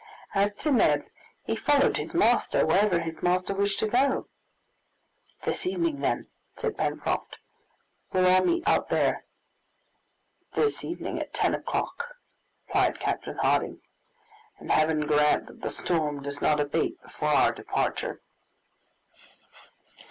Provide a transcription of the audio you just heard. As to Neb, he followed his master wherever his master wished to go. "This evening, then," said Pencroft, "we will all meet out there." "This evening, at ten o'clock," replied Captain Harding; "and Heaven grant that the storm does not abate before our departure."